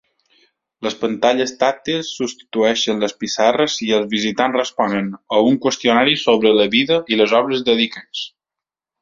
Les pantalles tàctils substitueixen les pissarres i els visitants responen a un qüestionari sobre la vida i les obres de Dickens.